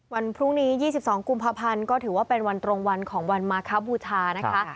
วันพรุ่งนี้๒๒กุมภาพันธ์ก็ถือว่าเป็นวันตรงวันของวันมาคบูชานะคะ